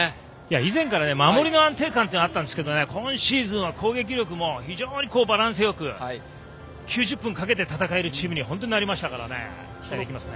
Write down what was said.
以前から守りの安定感があったんですけど今シーズンは攻撃力も非常にバランスよく９０分かけて戦えるチームに本当になりましたから期待できますね。